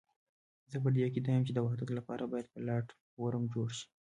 زه پر دې عقيده یم چې د وحدت لپاره باید پلاټ فورم جوړ شي.